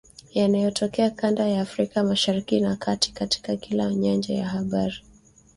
yanayotokea kanda ya Afrika Mashariki na Kati, katika kila nyanja ya habari